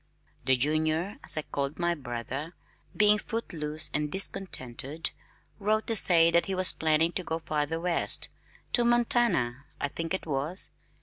"The Junior" as I called my brother, being footloose and discontented, wrote to say that he was planning to go farther west to Montana, I think it was.